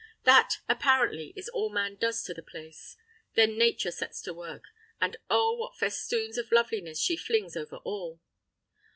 That, apparently, is all man does to the place. Then Nature sets to work; and, oh, what festoons of loveliness she flings over all!